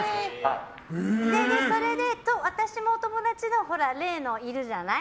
それで、私も友達の例の、いるじゃない。